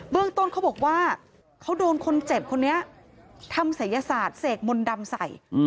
เรื่องต้นเขาบอกว่าเขาโดนคนเจ็บคนนี้ทำศัยศาสตร์เสกมนต์ดำใส่